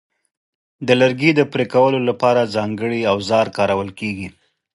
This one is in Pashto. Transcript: د لرګي د پرې کولو لپاره ځانګړي اوزار کارول کېږي.